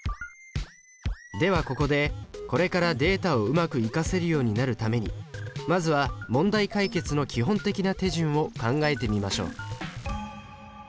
ではここでこれからデータをうまく生かせるようになるためにまずは問題解決の基本的な手順を考えてみましょう。